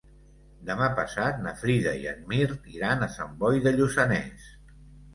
Demà passat na Frida i en Mirt iran a Sant Boi de Lluçanès.